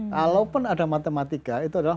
kalaupun ada matematika itu adalah